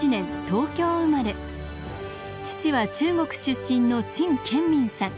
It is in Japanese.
父は中国出身の陳建民さん。